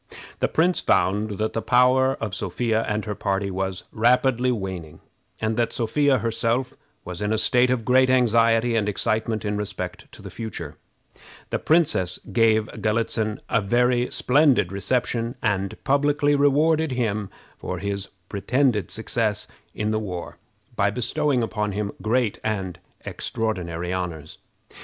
The prince found that the power of Sophia and her party was rapidly waning, and that Sophia herself was in a state of great anxiety and excitement in respect to the future. The princess gave Galitzin a very splendid reception, and publicly rewarded him for his pretended success in the war by bestowing upon him great and extraordinary honors.